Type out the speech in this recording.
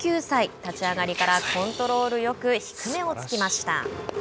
立ち上がりからコントロールよく低めをつきました。